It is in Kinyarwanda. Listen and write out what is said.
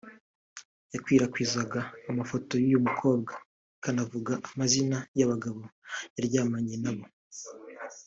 yakwirakwizaga amafoto y’uyu mukobwa ikanavuga amazina y’abagabo yaryamanye na bo